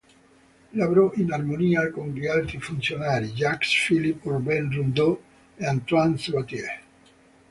Lavorò in armonia con gli altri funzionari, Jacques-Philippe-Urbain Rondeau e Antoine Sabatier.